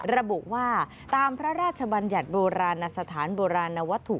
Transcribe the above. ระบุว่าตามพระราชบัญญัติโบราณสถานโบราณนวัตถุ